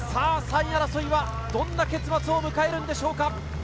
３位争いはどんな結末を迎えるのでしょうか。